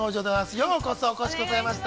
ようこそお越しくださいました。